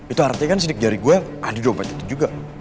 itu artinya kan sidik jari gue ada di dompet itu juga